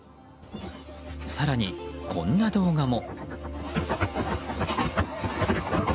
更に、こんな動画も。